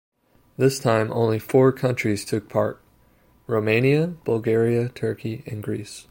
This time only four countries took part - Romania, Bulgaria, Turkey and Greece.